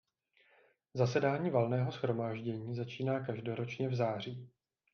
Zasedání Valného shromáždění začíná každoročně v září.